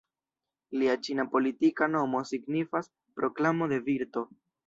Lia ĉina politika nomo signifas "Proklamo de Virto".